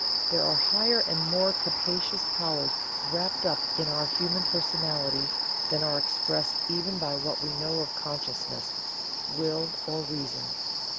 There are higher and more capacious powers wrapped up in our human personality than are expressed even by what we know of consciousness, will, or reason.